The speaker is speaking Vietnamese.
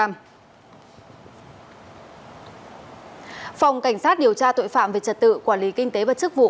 phòng cảnh sát điều tra tội phạm về trật tự quản lý kinh tế và chức vụ